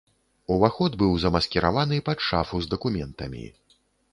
Уваход быў замаскіраваны пад шафу з дакументамі.